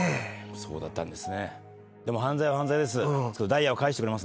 そうだったんですね。